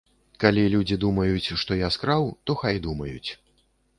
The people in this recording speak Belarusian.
Калі людзі думаюць, што я скраў, то хай думаюць.